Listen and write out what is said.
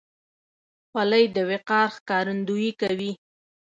خولۍ د وقار ښکارندویي کوي.